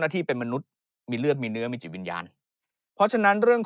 ที่เป็นมนุษย์มีเลือดมีเนื้อมีจิตวิญญาณเพราะฉะนั้นเรื่องของ